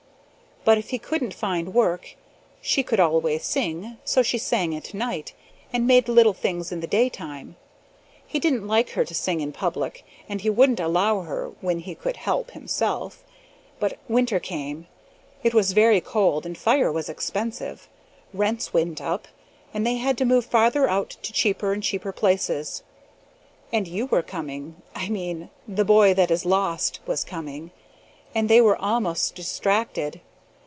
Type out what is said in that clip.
But if he couldn't find work, she could always sing, so she sang at night, and made little things in the daytime. He didn't like her to sing in public, and he wouldn't allow her when he could HELP himself; but winter came, it was very cold, and fire was expensive. Rents went up, and they had to move farther out to cheaper and cheaper places; and you were coming I mean, the boy that is lost was coming and they were almost distracted.